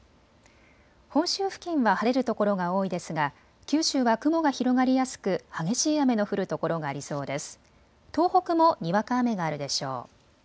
本州付近は晴れるところが多いですが九州は雲が広がりやすく激しい雨の降るところがありそうです。